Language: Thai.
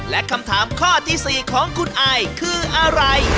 และคำถามข้อที่๔ของคุณอายคืออะไร